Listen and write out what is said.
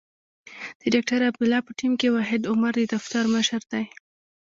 د ډاکټر عبدالله په ټیم کې وحید عمر د دفتر مشر دی.